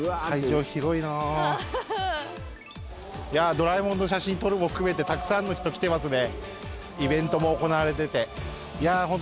ドラえもんの写真撮るも含めてたくさんの人、来てますね。